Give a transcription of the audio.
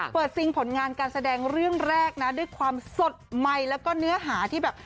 ซิงผลงานการแสดงเรื่องแรกนะด้วยความสดใหม่แล้วก็เนื้อหาที่แบบ